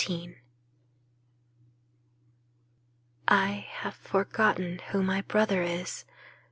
*^ I have forgotten who my brother is.